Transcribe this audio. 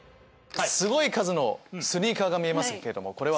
すごい数のスニーカーが見えますけどもこれは？